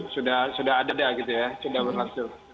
sudah ada sudah berlaku